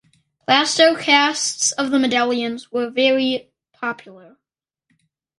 Plaster casts of the medallions were very popular.